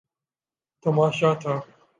تماشا تھا۔